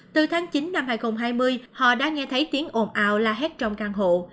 từ tháng chín năm hai nghìn hai mươi họ đã nghe thấy tiếng ồn ào la hết trong căn hộ